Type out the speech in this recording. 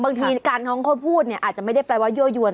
บางทีการท้องเขาพูดเนี่ยอาจจะไม่ได้แปลว่ายั่วยวน